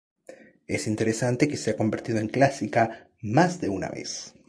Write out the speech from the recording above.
Es interesante que se ha convertido en clásica más de una vez.